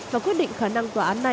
và quyết định khả năng tòa án